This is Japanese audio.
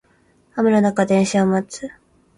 雨の中電車を待つ